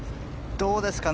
どうですかね。